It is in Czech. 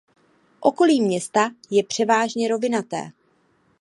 Okolí města je převážně rovinaté.